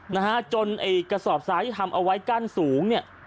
นะฮะจนไอ้กระสอบซ้ายที่ทำเอาไว้กั้นสูงเนี่ย